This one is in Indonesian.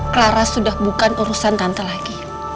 clara sudah bukan urusan tante lagi